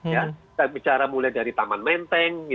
kita bicara mulai dari taman menteng